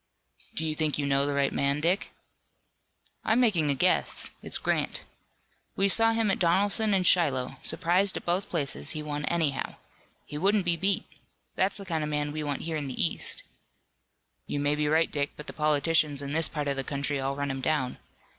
"Do you think you know the right man, Dick?" "I'm making a guess. It's Grant. We saw him at Donelson and Shiloh. Surprised at both places, he won anyhow. He wouldn't be beat. That's the kind of man we want here in the east." "You may be right, Dick, but the politicians in this part of the country all run him down.